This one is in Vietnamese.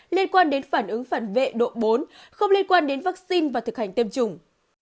liên quan đến phản ứng phản vệ độ bốn không liên quan đến vaccine và thực hành tiêm chủng